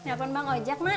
ngapain bang ojek mak